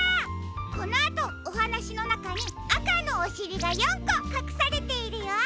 このあとおはなしのなかにあかのおしりが４こかくされているよ。